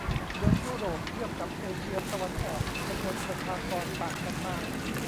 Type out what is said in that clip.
เมืองยุโรปเทียบกับเอเชียตะวันออก จำนวนประชากรต่างกันมาก